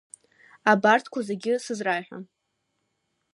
Абарҭқәа зегьы сызраҳәа.